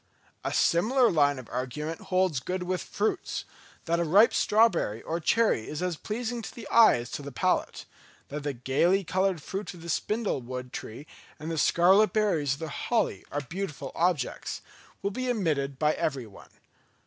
A similar line of argument holds good with fruits; that a ripe strawberry or cherry is as pleasing to the eye as to the palate—that the gaily coloured fruit of the spindle wood tree and the scarlet berries of the holly are beautiful objects—will be admitted by everyone.